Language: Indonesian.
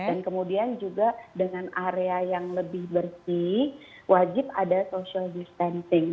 dan kemudian juga dengan area yang lebih bersih wajib ada social distancing